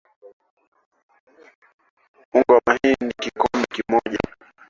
Unga wa mahindi kikombe moja